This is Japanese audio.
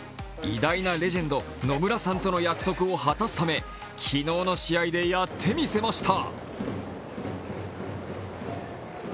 偉大なレジェンド・野村さんとの約束を果たすため昨日の試合でやってみせました。